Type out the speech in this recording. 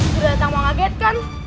sudah tak mau ngaget kan